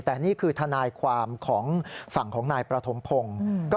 แต่นี่คือทนายความของฝั่งของนายประถมพงศ์